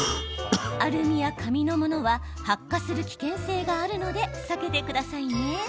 アルミや紙のものは発火する危険性があるので避けてくださいね。